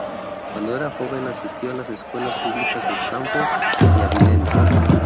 Cuando era joven asistió a las escuelas públicas de Stamford y Abilene.